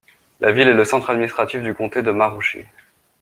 La ville est le centre administratif du comté de Maroochy.